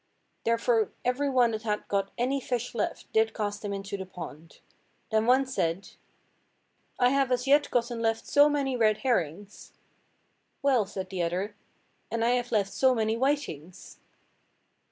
Therefore every one that had got any fish left did cast them into the pond. Then one said— "I have as yet gotten left so many red herrings." "Well," said the other, "and I have left so many whitings."